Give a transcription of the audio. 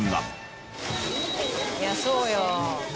「いやそうよ」